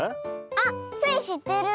あっスイしってる！